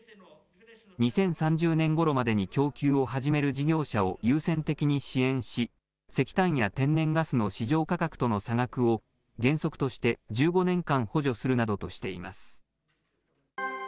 ２０３０年ごろまでに供給を始める事業者を優先的に支援し、石炭や天然ガスの市場価格との差額を、原則として１５年間補助するなどとしています。